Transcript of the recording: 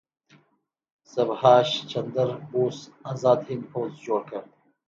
سبهاش چندر بوس ازاد هند پوځ جوړ کړ.